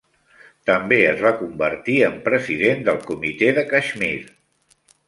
També es va convertir en president del Comitè de Caixmir.